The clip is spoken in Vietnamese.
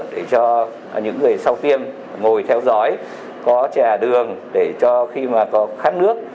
để cho những người sau tiêm ngồi theo dõi có trà đường để cho khi khát nước